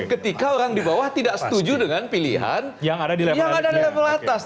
ketika orang di bawah tidak setuju dengan pilihan yang ada di level atas